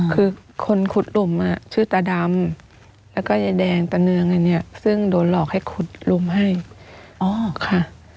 คือคนขุดหลุมชื่อตาดำแล้วก็ยายแดงตะเนืองอันนี้ซึ่งโดนหลอกให้ขุดหลุมให้อ๋อค่ะ